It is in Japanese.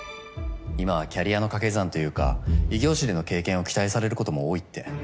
今はキャリアの掛け算というか異業種での経験を期待されることも多いって。